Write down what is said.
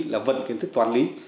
là vẫn kiến thức toán lý